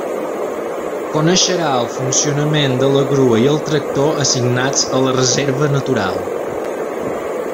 Coneixerà el funcionament de la grua i el tractor assignats a la Reserva Natural.